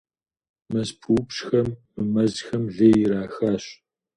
МэзпыупщӀхэм мы мэзхэм лей ирахащ.